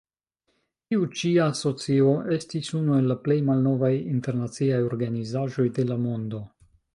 Tiu ĉi asocio estis unu el la plej malnovaj internaciaj organizaĵoj de la mondo.